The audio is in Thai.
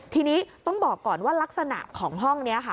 ทีนี้ต้องบอกก่อนว่ารักษณะของห้องนี้ค่ะ